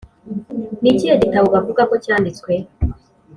ni ikihe gitabo bavuga ko cyanditswe ?